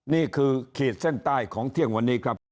ขีดเส้นใต้ของเที่ยงวันนี้ครับ